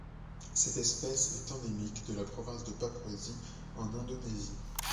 Cette espèce est endémique de la province de Papouasie en Indonésie.